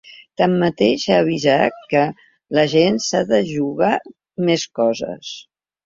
Tanmateix, ha avisat que ‘la gent s’ha de jugar més coses’.